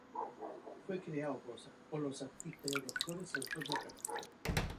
Fue creado por los artistas Llanos Flores y Antonio Herreros.